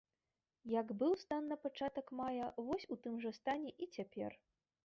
Як быў стан на пачатак мая, вось у тым жа стане і цяпер.